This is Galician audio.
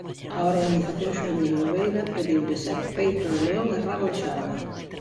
Á organización xuvenil Lobeira pediulle ser "peito de león e rabo de xarda".